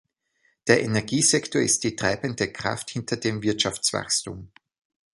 Der Energiesektor ist die treibende Kraft hinter dem Wirtschaftswachstum.